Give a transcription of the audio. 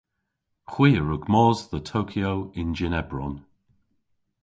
Hwi a wrug mos dhe Tokyo yn jynn ebron.